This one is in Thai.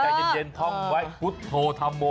ใกล้เย็นท่องไว้พุทธโธมโม